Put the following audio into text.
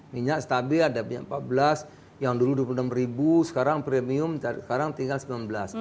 minyak stabil ada minyak rp empat belas yang dulu rp dua puluh enam ribu sekarang premium sekarang tinggal sembilan belas